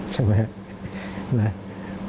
ใช่ไหม